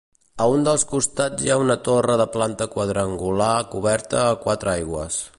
A un dels costats hi ha una torre de planta quadrangular coberta a quatre aigües.